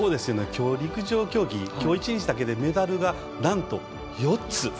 陸上競技きょう１日だけでメダルがなんと４つ。